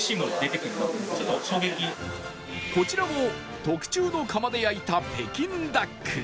こちらも特注の窯で焼いた北京ダック